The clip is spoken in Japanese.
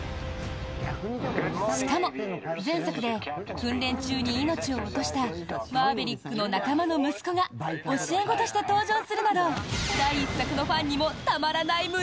しかも、前作で訓練中に命を落としたマーヴェリックの仲間の息子が教え子として登場するなど第１作のファンにもたまらない